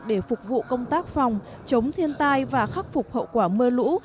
để phục vụ công tác phòng chống thiên tai và khắc phục hậu quả mưa lũ